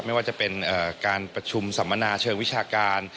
ไม่ว่าจะเป็นการประชุมสัมมนาเชิงวิชาการ